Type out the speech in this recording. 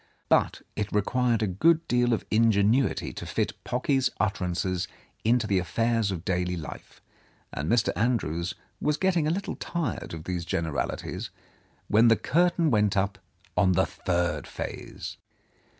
Bu't it required a good deal of ingenuity to fit Pocky's utterances into the affairs of daily life, and Mr. Andrews was getting a little tired of these generalities, when the curtain went up on the third phase.